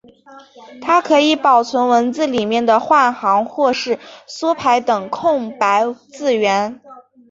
它可以保存文字里面的换行或是缩排等空白字元。